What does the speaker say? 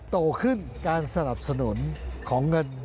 โตขึ้นการสนับสนุนของเงิน